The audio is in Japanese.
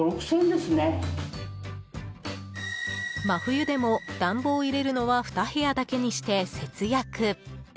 真冬でも、暖房を入れるのは２部屋だけにして節約。